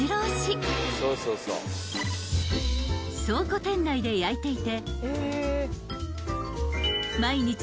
［倉庫店内で焼いていて］